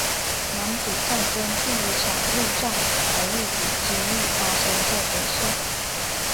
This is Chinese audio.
南北战争第一场陆战腓立比之役发生在本县。